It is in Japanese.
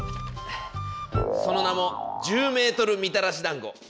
その名も「１０ｍみたらしだんご」。